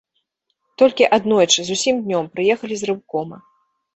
Толькі аднойчы, зусім днём, прыехалі з рэўкома.